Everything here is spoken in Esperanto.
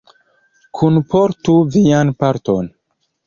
Kunportu vian parton!